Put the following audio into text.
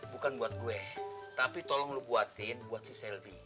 bukan buat gue tapi tolong lu buatin buat si selfie